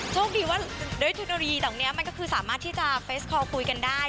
โชคดีว่าด้วยเทคโนโลยีเหล่านี้มันก็คือสามารถที่จะเฟสคอลคุยกันได้